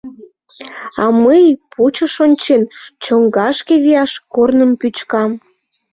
А мый, пучыш ончен, чоҥгашке вияш корным пӱчкам.